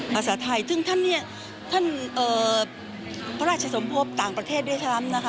ภาษาไทยซึ่งท่านเพราะราชสมพบต่างประเทศด้วยกัน